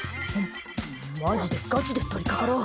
マジで、ガチで取りかかろう！